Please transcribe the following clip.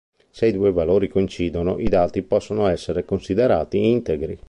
Se i due valori coincidono, i dati possono essere considerati integri.